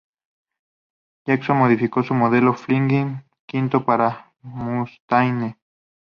Jackson modificó su modelo Flying V para Mustaine.